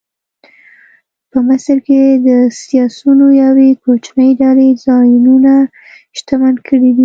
په مصر کې د سیاسیونو یوې کوچنۍ ډلې ځانونه شتمن کړي دي.